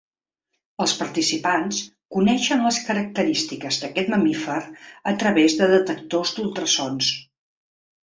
Els participants coneixen les característiques d’aquest mamífer a través de detectors d’ultrasons.